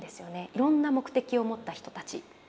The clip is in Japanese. いろんな目的を持った人たち。